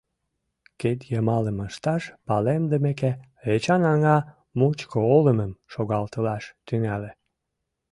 Кидйымалым ышташ палемдымеке, Эчан аҥа мучко олымым шогалтылаш тӱҥале.